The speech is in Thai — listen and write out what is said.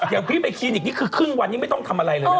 อย่างพี่ไปคลินิกนี่คือครึ่งวันนี้ไม่ต้องทำอะไรเลยนะ